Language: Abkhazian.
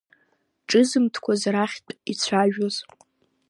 Ҿызымҭқәоз рахьтә ицәажәоз.